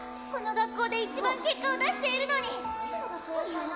この学校で一番結果を出しているのに！